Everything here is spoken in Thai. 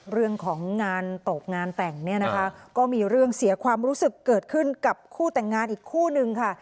เรื่องของงานตกงานแต่งเนี่ยนะคะก็มีเรื่องเสียความรู้สึกเกิดขึ้นกับคู่แต่งงานอีกคู่นึงค่ะ